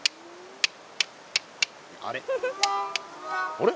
あれ？